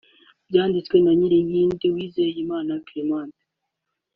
yanditswe na Nyirinkindi Uwezeyimana Clement